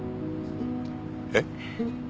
えっ？